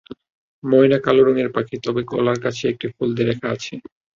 ময়না কালো রঙের পাখি, তবে গলার কাছে একটি হলদে রেখা আছে।